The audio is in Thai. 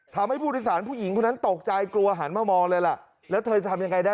ทำให้ผู้โดยสารผู้หญิงคนนั้นตกใจกลัวหันมามองเลยล่ะแล้วเธอจะทำยังไงได้